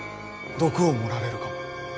毒を盛られるかも。